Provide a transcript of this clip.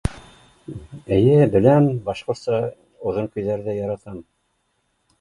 Эйе беләм башҡортса оҙон көйҙәрҙе яратам